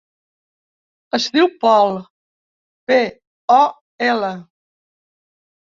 Es diu Pol: pe, o, ela.